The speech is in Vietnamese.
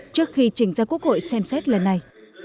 trước khi chỉnh ra quốc hội xem xét lần này